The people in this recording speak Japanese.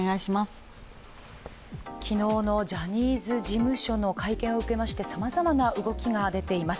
昨日のジャニーズ事務所の会見を受けましてさまざまな動きが出ています。